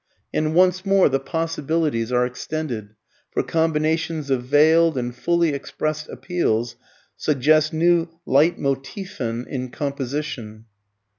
And once more the possibilities are extended, for combinations of veiled and fully expressed appeals suggest new LEITMOTIVEN in composition.